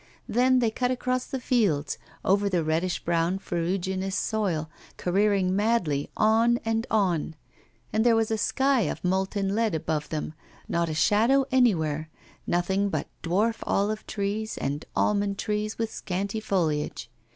Then they cut across the fields, over the reddish brown ferruginous soil, careering madly on and on; and there was a sky of molten lead above them, not a shadow anywhere, nothing but dwarf olive trees and almond trees with scanty foliage.